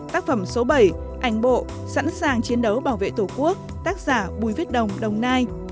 tác phẩm số bảy ảnh bộ sẵn sàng chiến đấu bảo vệ tổ quốc tác giả bùi viết đồng đồng nai